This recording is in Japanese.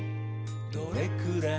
「どれくらい？